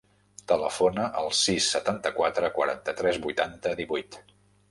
Telefona al sis, setanta-quatre, quaranta-tres, vuitanta, divuit.